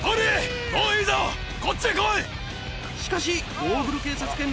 しかしゴーグル警察犬